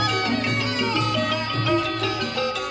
โอเคครับ